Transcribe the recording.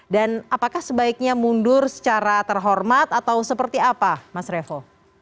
dan apakah sebaiknya mundur secara terhormat atau seperti apa mas revo